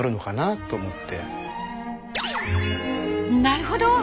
なるほど！